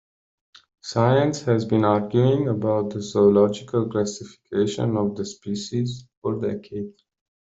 Science has been arguing about the zoological classification of the species for decades.